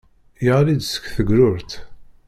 Yeɣli-d seg tegrurt.